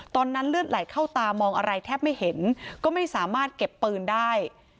ตอนนั้นเลือดไหลเข้าตามองอะไรแทบไม่เห็นก็ไม่สามารถเก็บปืนได้